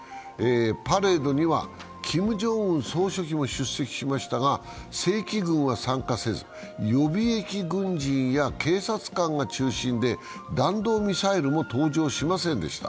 パレードにはキム・ジョンウン総書記も出席しましたが、正規軍は参加せず、予備役軍人や警察官が中心で弾道ミサイルも登場しませんでした。